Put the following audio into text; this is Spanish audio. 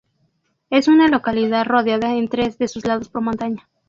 Es una localidad rodeada en tres de sus lados por montaña.